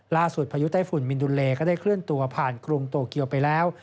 พายุไต้ฝุ่นมินดุเลก็ได้เคลื่อนตัวผ่านกรุงโตเกียวไปแล้ว